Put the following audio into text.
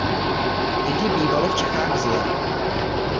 Někdy bývalo v Čechách zle.